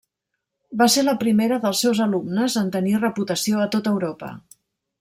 Va ser la primera dels seus alumnes en tenir reputació a tot Europa.